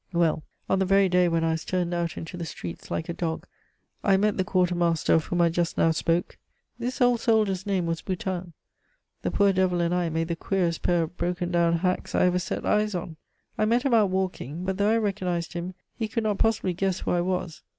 "Well, on the very day when I was turned out into the streets like a dog, I met the quartermaster of whom I just now spoke. This old soldier's name was Boutin. The poor devil and I made the queerest pair of broken down hacks I ever set eyes on. I met him out walking; but though I recognized him, he could not possibly guess who I was.